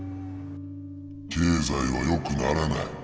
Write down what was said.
経済はよくならない。